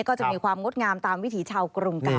ก็จะมีความงดงามตามวิถีชาวกรุงกาล